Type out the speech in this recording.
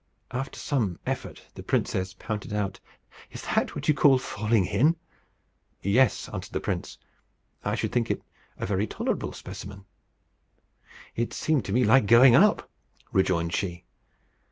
After some effort the princess panted out, "Is that what you call falling in?" "Yes," answered the prince, "I should think it a very tolerable specimen." "It seemed to me like going up," rejoined she.